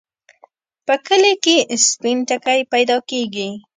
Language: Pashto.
په کلي کې سپين ټکی پیدا کېږي.